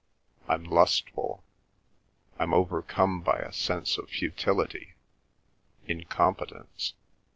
I'm lustful. I'm overcome by a sense of futility—incompetence.